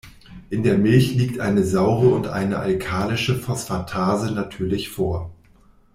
In der Milch liegt eine saure und eine alkalische Phosphatase natürlich vor.